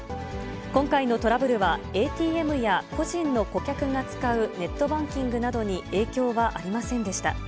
今回のトラブルは、ＡＴＭや個人の顧客が使うネットバンキングなどに影響はありませんでした。